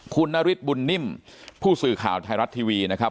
คุณนฤทธิบุญนิ่มผู้สื่อข่าวไทยรัฐทีวีนะครับ